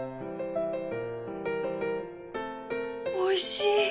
おいしい！